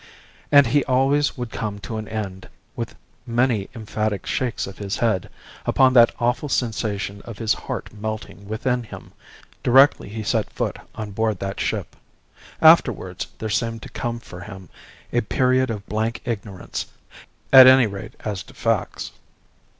And he always would come to an end, with many emphatic shakes of his head, upon that awful sensation of his heart melting within him directly he set foot on board that ship. Afterwards there seemed to come for him a period of blank ignorance, at any rate as to facts.